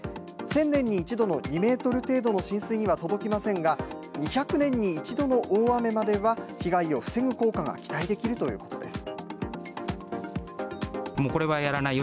１０００年に１度の２メートル程度の浸水には届きませんが、２００年に１度の大雨までは、被害を防ぐ効果が期待できるということです。